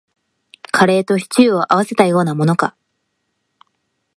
カレーとシチューを合わせたようなものか